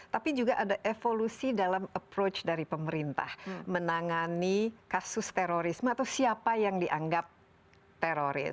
tapi juga ada evolusi dalam approach dari pemerintah menangani kasus terorisme atau siapa yang dianggap teroris